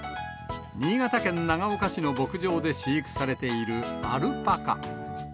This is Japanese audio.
新潟県長岡市の牧場で飼育されているアルパカ。